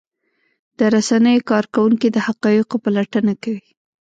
د رسنیو کارکوونکي د حقایقو پلټنه کوي.